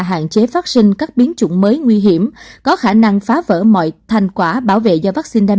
hạn chế phát sinh các biến chủng mới nguy hiểm có khả năng phá vỡ mọi thành quả bảo vệ do vaccine đem